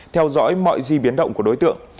theo dõi mọi di biến động của đối tượng